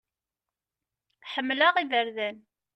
Ḥemmleɣ iberdan.